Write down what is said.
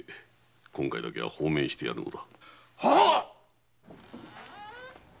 今回だけは放免してやるのだ。